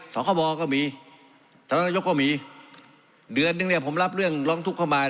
คบก็มีสำนักนายกก็มีเดือนนึงเนี่ยผมรับเรื่องร้องทุกข์เข้ามา